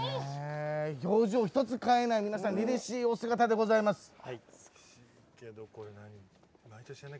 表情１つ変えないりりしいお姿でございます。